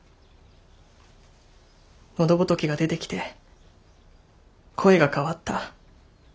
喉仏が出てきて声が変わった。